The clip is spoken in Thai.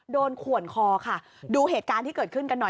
เหลือเย็นไปกัน